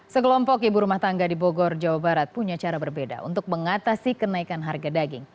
sekelompok ibu rumah tangga di bogor jawa barat punya cara berbeda untuk mengatasi kenaikan harga daging